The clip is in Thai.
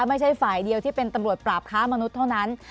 ไม่ใช่ฝ่ายเดียวที่เป็นตำรวจปราบค้ามนุษย์เท่านั้น